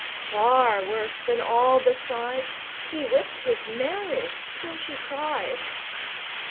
far worse than all beside, He whipped his Mary, till she cried.